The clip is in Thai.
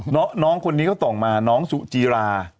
พนิกโต่งมาน้องสุจีรา